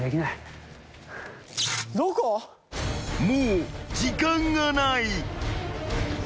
［もう時間がない］